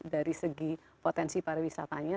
dari segi potensi pariwisatanya